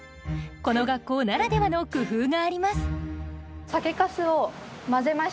この学校ならではの工夫があります。